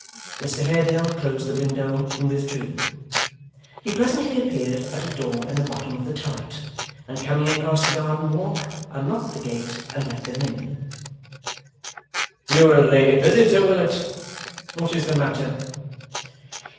Mr Haredale closed the window, and withdrew. He presently appeared at a door in the bottom of the turret, and coming across the garden walk, unlocked the gate and let them in. 'You are a late visitor, Willet. What is the matter?